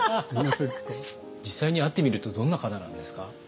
実際に会ってみるとどんな方なんですか？